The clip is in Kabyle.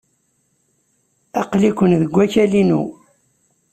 Aql-iken deg wakal-inu.